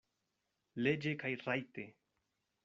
Leĝe kaj rajte.